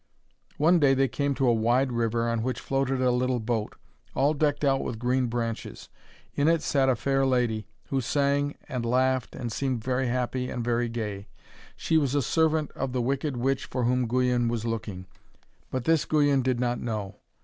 One day they came to a wide river on which floated a little boat, all decked out with green branches. In it sat a fair lady, who sang and laughed and seemed very happy and very gay. She was a servant of the wicked witch for whom Guyon was looking, but this Guyon did not know.